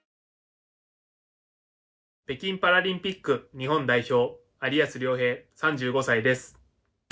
北京パラリンピック日本代表、有安諒平、３５歳です。